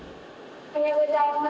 おはようございます。